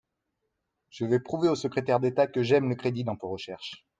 Je vais prouver au secrétaire d’État que j’aime le crédit d’impôt recherche.